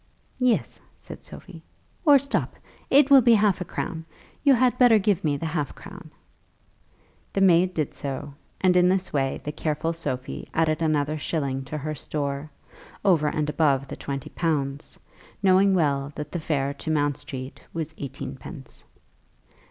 "Yes," said Sophie, "or stop. It will be half a crown. You had better give me the half crown." The maid did so, and in this way the careful Sophie added another shilling to her store, over and above the twenty pounds, knowing well that the fare to Mount Street was eighteen pence.